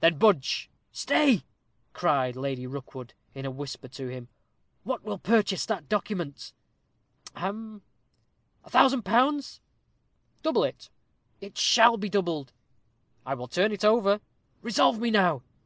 "Then budge." "Stay!" cried Lady Rookwood, in a whisper to him. "What will purchase that document?" "Hem!" "A thousand pounds?" "Double it." "It shall be doubled." "I will turn it over." "Resolve me now."